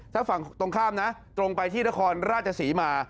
ถ้าฝั่งตรงข้ามนะตรงไปที่นครราชศรีมา